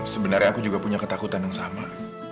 sebenarnya aku juga punya ketakutan yang sama